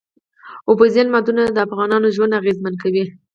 اوبزین معدنونه د افغانانو ژوند اغېزمن کوي.